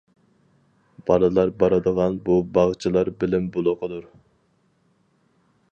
بالىلار بارىدىغان بۇ باغچىلار بىلىم بۇلىقىدۇر.